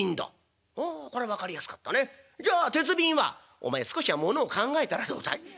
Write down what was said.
「お前少しは物を考えたらどうだい？